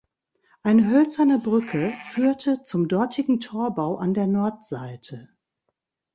Eine hölzerne Brücke führte zum dortigen Torbau an der Nordseite.